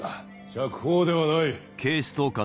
釈放ではない。